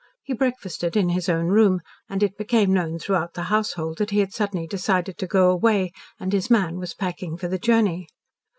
He breakfasted in his own room, and it became known throughout the household that he had suddenly decided to go away, and his man was packing for the journey.